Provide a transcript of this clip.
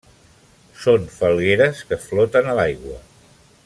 Són falgueres que floten a l'aigua.